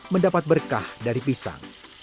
mendapat berkah dari pisang